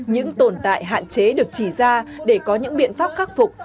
những tồn tại hạn chế được chỉ ra để có những biện pháp khắc phục